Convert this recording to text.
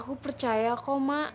aku percaya kok mak